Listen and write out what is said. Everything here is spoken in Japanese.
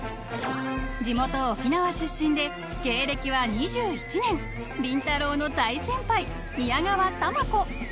［地元沖縄出身で芸歴は２１年りんたろー。の大先輩］